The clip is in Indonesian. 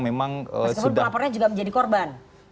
memang sudah lalu pelapornya juga menjadi korban